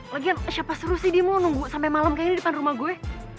lagian siapa suruh sih dia mau nunggu sampe malem kayaknya di depan rumah gue